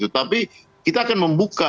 tapi kita akan membuka